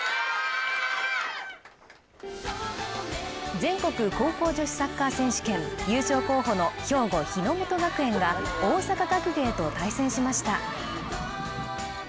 全国高校女子サッカー選手権、優勝候補の兵庫・日ノ本学園が大阪学芸と対戦しました。